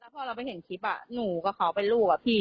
พอเราไปเห็นคลิปหนูกับเขาเป็นลูกอะพี่